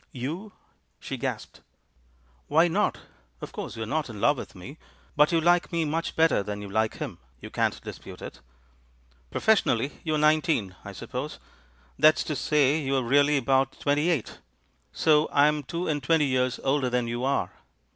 "You?" she gasped. "Why not? Of course you're not in love with me, but you like me much better than you like him, you can't dispute it. Professionally you are nineteen, I suppose ; that's to say you are really about twenty eight; so I'm two and twenty years older than you are.